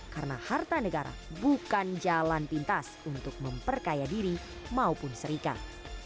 karena harta negara bukan jalan pintas untuk memperkaya diri maupun serikat